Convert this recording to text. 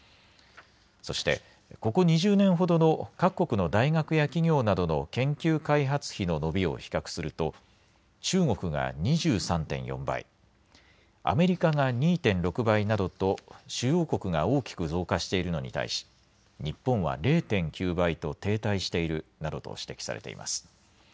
そして、ここ２０年ほどの各国の大学や企業などの研究開発費の伸びを比較すると中国が２３．４倍、アメリカが２．６倍などと主要国が大きく増加しているのに対し、日本は０．９倍と停滞しているなどと指摘されています。